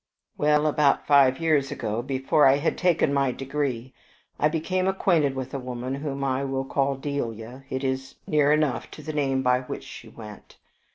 VII "Well, about five years ago, before I had taken my degree, I became acquainted with a woman whom I will call 'Delia,' it is near enough to the name by which she went.